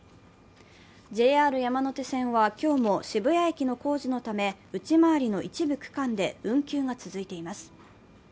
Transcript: ＪＲ山手線は今日も渋谷駅の工事のため内回りの一部区間で運休が続いています。